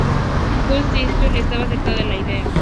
Gush Etzion está cerca de la aldea.